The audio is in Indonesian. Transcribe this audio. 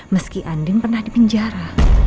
meski andin pernah dipinjara